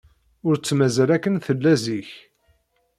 Ur tt-mazal akken ay tella zik.